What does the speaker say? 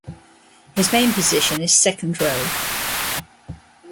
His main position is second row.